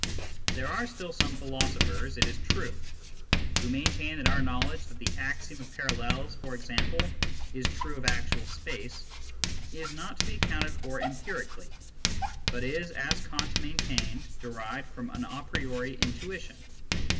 There are still some philosophers, it is true, who maintain that our knowledge that the axiom of parallels, for example, is true of actual space, is not to be accounted for empirically, but is as Kant maintained derived from an a priori intuition.